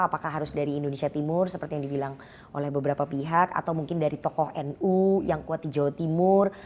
apakah harus dari indonesia timur seperti yang dibilang oleh beberapa pihak atau mungkin dari tokoh nu yang kuat di jawa timur